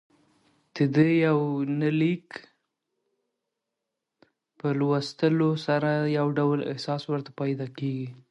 ددې یونلیک په لوستلو سره يو ډول احساس ورته پېدا کېږي